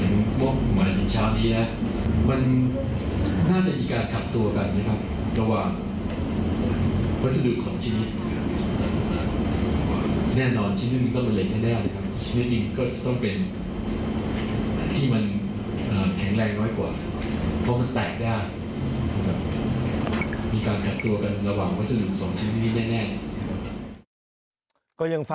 รู้ว่าก็เป็นแปลกได้